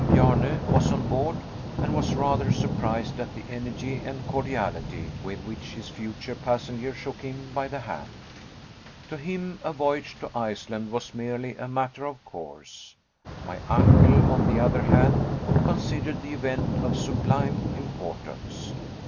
Bjarne, was on board, and was rather surprised at the energy and cordiality with which his future passenger shook him by the hand. To him a voyage to Iceland was merely a matter of course. My uncle, on the other hand, considered the event of sublime importance.